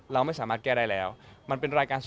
เราไม่สามารถแก้ได้แล้วมันเป็นรายการสด